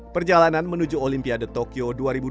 perjalanan menuju olympia de tokyo dua ribu dua puluh